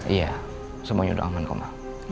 iya semuanya udah aman ko ma